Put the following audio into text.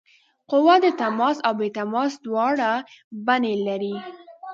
قوه د تماس او بې تماس دواړه بڼې لري.